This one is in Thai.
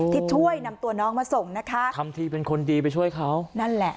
ที่ช่วยนำตัวน้องมาส่งนะคะทำทีเป็นคนดีไปช่วยเขานั่นแหละ